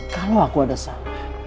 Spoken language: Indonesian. kalau aku ada salah